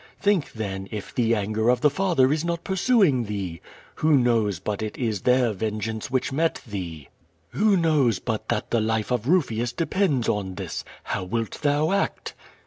Think, then, if the anger of the Father is not pursuing thee? AVho knows but it is their vengeance which met thee? Vfho knows but that the life of Bufius depends on this? How wilt thou act?"